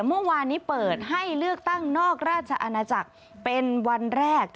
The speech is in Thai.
เมื่อวานนี้เปิดให้เลือกตั้งนอกราชอาณาจักรเป็นวันแรก